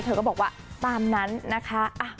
เธอก็บอกว่าตามนั้นนะคะ